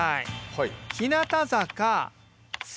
はい。